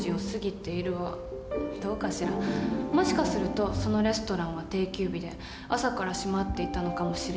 もしかするとそのレストランは定休日で朝から閉まっていたのかもしれないし。